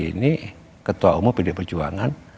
ini ketua umum pdi perjuangan